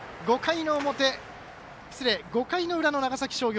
５回の裏の長崎商業。